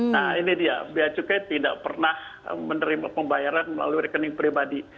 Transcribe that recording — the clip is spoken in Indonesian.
nah ini dia biaya cukai tidak pernah menerima pembayaran melalui rekening pribadi